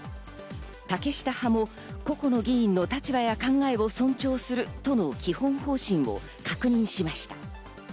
竹下派も個々の議員の立場や考えを尊重するとの基本方針を確認しました。